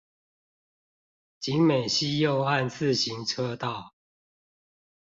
景美溪右岸自行車道